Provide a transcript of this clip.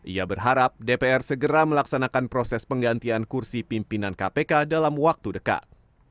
ia berharap dpr segera melaksanakan proses penggantian kursi pimpinan kpk dalam waktu dekat